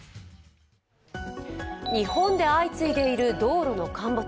日本で相次いでいる道路の陥没。